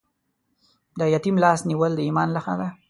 د یتیم لاس نیول د ایمان ښکلا ده.